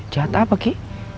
jahat apa ki